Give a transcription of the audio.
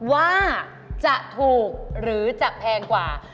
ว่าจะถูกหรือจะแพงกว่า